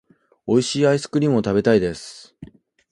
美味しいアイスクリームを食べたいです。